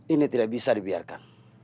ini tidak bisa dibiarkan